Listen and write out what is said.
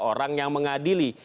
orang yang mengadili